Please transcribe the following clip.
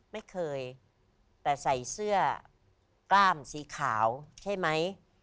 ไม่เคยแต่ใส่เสื้อกล้ามสีขาวใช่ไหม